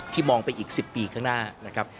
มองไปอีก๑๐ปีข้างหน้านะครับ